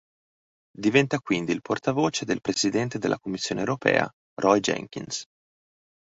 Diventa quindi il portavoce del Presidente della Commissione europea Roy Jenkins.